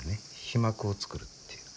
被膜を作るっていう。